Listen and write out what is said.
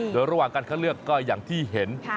โดยระหว่างการคัดเลือกก็อย่างที่เห็น